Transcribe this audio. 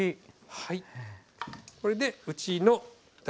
はい。